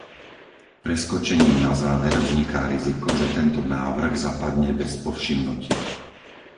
Preskočením na záver vzniká riziko, že tento návrh zapadne bez povšimnutia.